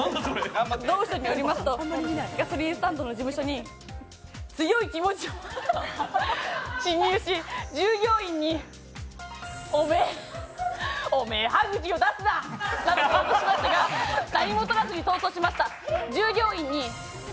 同署によりますと、ガソリンスタンドの事務所に強い気持ちを持った男が侵入し従業員におめえ、歯ぐきを出すななどと脅しましたが、何も盗らずに逃走しました。